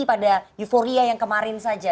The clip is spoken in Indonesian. pada euforia yang kemarin saja